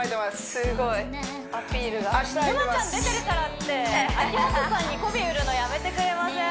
すごいアピールが沼ちゃん出てるからって秋元さんにこびうるのやめてくれません？